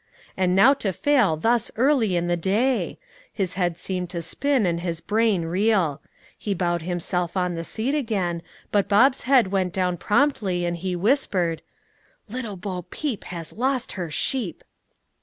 And now to fail thus early in the day! His head seemed to spin and his brain reel; he bowed himself on the seat again, but Bob's head went down promptly, and he whispered, "Little Bo Peep has lost her sheep!"